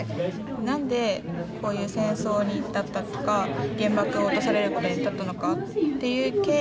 なんでこういう戦争に至ったとか原爆を落とされる事に至ったのかっていう経緯